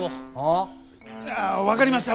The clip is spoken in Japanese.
ああ分かりました